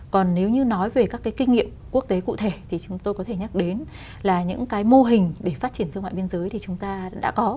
còn nếu như nói về các cái kinh nghiệm quốc tế cụ thể thì chúng tôi có thể nhắc đến là những cái mô hình để phát triển thương mại biên giới thì chúng ta đã có